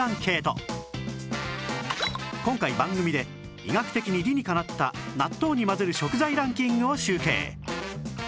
今回番組で医学的に理にかなった納豆に混ぜる食材ランキングを集計